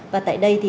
và tại đây